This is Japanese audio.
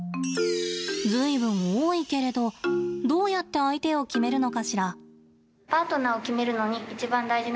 随分多いけれど、どうやって相手を決めるのかしら？